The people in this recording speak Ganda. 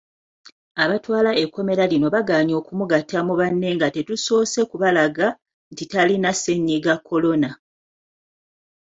Abatwala ekkomera lino bagaanye okumugatta mu banne nga tetusoose kubalaga nti talina ssennyiga Kolona.